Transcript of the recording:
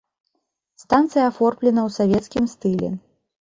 Станцыя аформлена ў савецкім стылі.